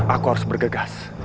aku harus bergegas